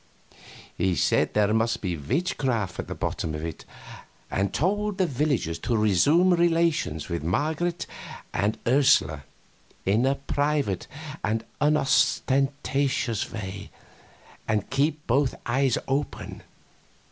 He said there must be witchcraft at the bottom of it, and told the villagers to resume relations with Marget and Ursula in a private and unostentatious way, and keep both eyes open.